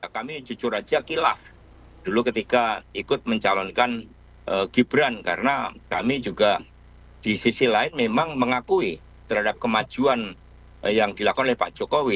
kami jujur aja kilah dulu ketika ikut mencalonkan gibran karena kami juga di sisi lain memang mengakui terhadap kemajuan yang dilakukan oleh pak jokowi